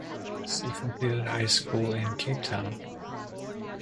She completed high school in Cape Town.